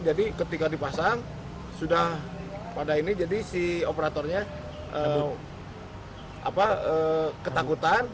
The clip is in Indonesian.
jadi ketika dipasang sudah pada ini jadi si operatornya ketakutan